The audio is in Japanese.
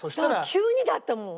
急にだったもん。